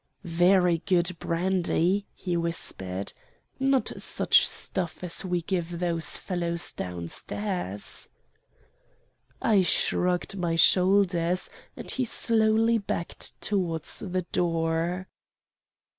"'Very good brandy,' he whispered, 'Not such stuff as we give those fellows down stairs.' "I shrugged my shoulders and he slowly backed towards the door.